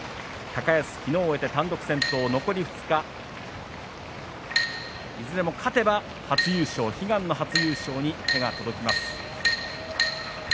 高安、昨日、終えて単独先頭は残り２日いずれも勝てば初優勝、悲願の初優勝に手が届きます。